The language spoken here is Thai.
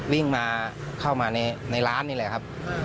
วิ่งมาเข้ามาในร้านนี่แหละครับ